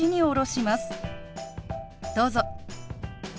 どうぞ。